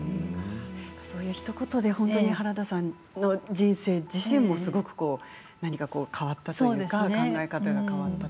そういうひと言で原田さんの人生自身もすごく変わったというか考え方が変わった。